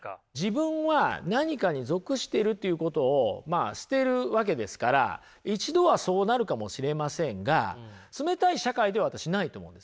自分は何かに属してるということを捨てるわけですから一度はそうなるかもしれませんが冷たい社会では私ないと思うんです。